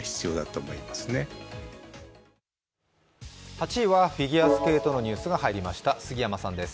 ８位はフィギュアスケートのニュースが入りました、杉山さんです。